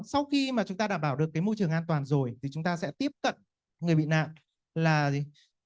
sau khi mà chúng ta đảm bảo được cái môi trường an toàn rồi thì chúng ta sẽ tiếp cận người bị nạn là gì